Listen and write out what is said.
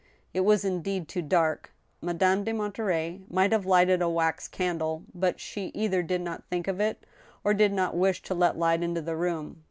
It was, indeed, too dark. Madame de Monterey might have lighted a wax candle, but she either did not think of it, or did not wish to let light into the room.